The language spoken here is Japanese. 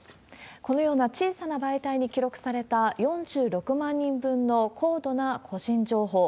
このような小さな媒体に記録された４６万人分の高度な個人情報。